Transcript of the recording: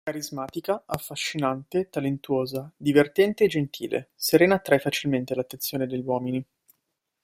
Carismatica, affascinante, talentuosa, divertente e gentile, Serena attrae facilmente l'attenzione degli uomini.